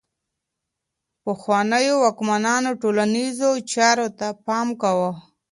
پخوانيو واکمنانو ټولنيزو چارو ته پام کاوه.